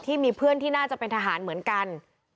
ที่มีเพื่อนที่น่าจะเป็นทหารเหมือนกัน